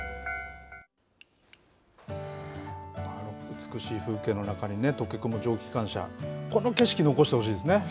美しい風景の中にね、溶け込む蒸気機関車、この景色を残してほしいですね。